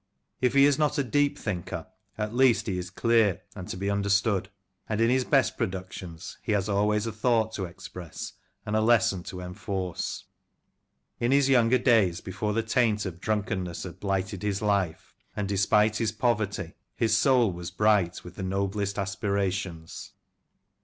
If he is not a deep thinker, at least he is clear and to be understood; and in his best productions he has always a thought to express and a lesson to enforce. In his younger days, before the taint of drunkenness had blighted his life, and despite his poverty, his soul was bright with the noblest aspirations.